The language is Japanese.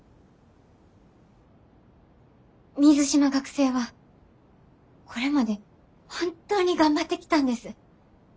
水島学生はこれまで本当に頑張ってきたんです。